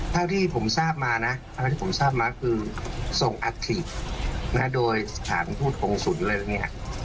เท่าที่ผมทราบมานะคือส่งอาทีปโดยสถานทูตหงสุนทำงาน